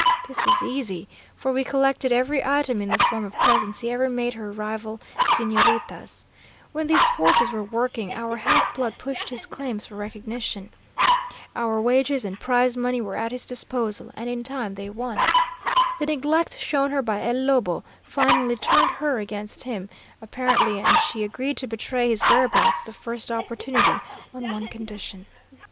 This was easy, for we collected every item in the form of presents he ever made her rival señoritas. When these forces were working, our half blood pushed his claims for recognition. Our wages and prize money were at his disposal, and in time they won. The neglect shown her by El Lobo finally turned her against him, apparently, and she agreed to betray his whereabouts the first opportunity on one condition.